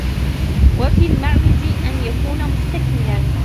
وَفِي الْمُعْوِزِ أَنْ يَكُونَ مُسْتَكْمِلًا